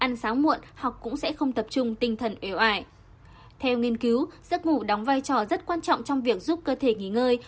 nhân cứu giấc ngủ đóng vai trò rất quan trọng trong việc giúp cơ thể nghỉ ngơi